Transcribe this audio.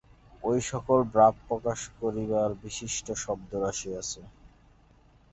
ঐ-সকল ভাব প্রকাশ করিবার বিশিষ্ট শব্দরাশি আছে।